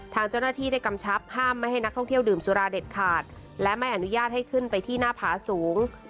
ทางเจ้าหน้าที่ได้กำชับห้ามไม่ให้นักท่องเที่ยวดื่มสุราเด็ดขาดและไม่อนุญาตให้ขึ้นไปที่หน้าผาสูง